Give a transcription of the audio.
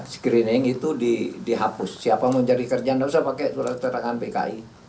screening itu dihapus siapa mau jadi kerja nggak usah pakai surat keterangan pki